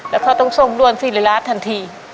และเขาต้องส่งด้วยฟิษฤราชทันที